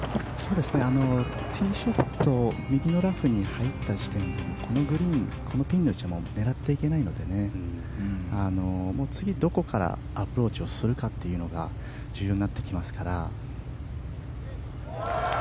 ティーショット右のラフに入った時点でこのグリーン、ピンの位置は狙っていけないので次、どこからアプローチをするかというのが重要になってきますから。